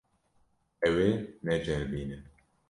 Ew ê neceribîne.